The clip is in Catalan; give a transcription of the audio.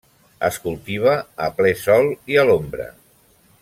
Es cultiva a ple sol i a l'ombra.